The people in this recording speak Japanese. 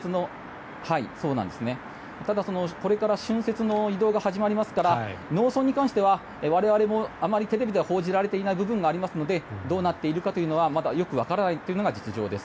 ただ、これから春節の移動が始まりますから農村に関しては我々もあまりテレビでは報じられていない部分がありますのでどうなっているかという部分はよくわからないのが現状です。